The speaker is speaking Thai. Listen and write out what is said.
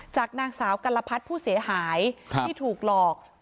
จากนางสาวกัลพัฒน์ผู้เสียหายที่ถูกหลอก